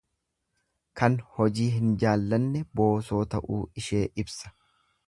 Kan hojii hin jaallanne, boosoo ta'uu ishee ibsa.